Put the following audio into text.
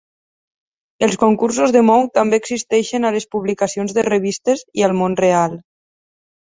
Els concursos de Moe també existeixen a les publicacions de revistes i al món real.